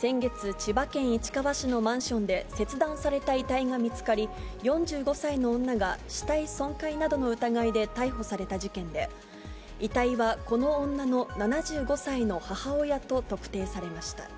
先月、千葉県市川市のマンションで切断された遺体が見つかり、４５歳の女が死体損壊などの疑いで逮捕された事件で、遺体はこの女の７５歳の母親と特定されました。